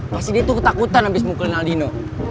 masih dia tuh ketakutan abis mukulin aldino